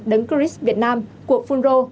đấng chris việt nam của phú rô